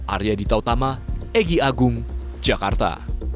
arya dita utama egy agung jakarta